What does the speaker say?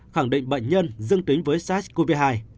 khẳng định bệnh nhân dương tính với sars cov hai